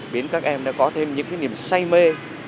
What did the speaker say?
biến các em có thêm những cái niềm say mê